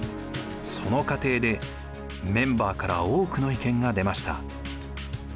その過程でメンバーから多くの意見が出ました。